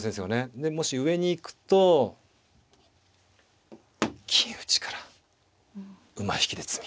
でもし上に行くと金打ちから馬引きで詰み。